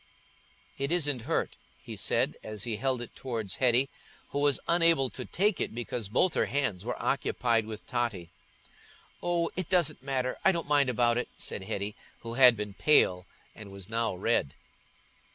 "It isn't hurt," he said, as he held it towards Hetty, who was unable to take it because both her hands were occupied with Totty. "Oh, it doesn't matter, I don't mind about it," said Hetty, who had been pale and was now red.